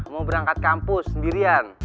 mau berangkat kampus sendirian